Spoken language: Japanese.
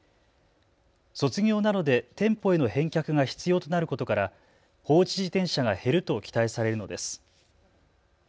卒業などで店舗への返却が必要となることから放置自転車が減ると期待されるのです。